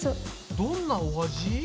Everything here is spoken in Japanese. どんなお味？